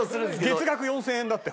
月額４０００円だって。